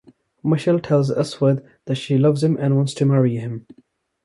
Mashal tells Aswad that she loves him and wants to marry him.